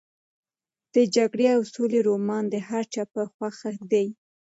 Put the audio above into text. د جګړې او سولې رومان د هر چا په خوښه دی.